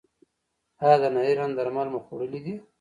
ایا د نري رنځ درمل مو خوړلي دي؟